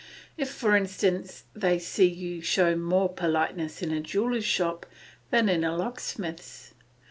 If, for instance, they see you show more politeness in a jeweller's shop than in a locksmith's.